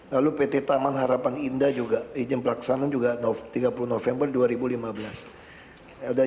lalu pt taman harapan indah juga izin pelaksanaan juga tiga puluh november dua ribu lima belas